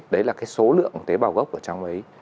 đấy là cái số lượng tế bào gốc ở trong ấy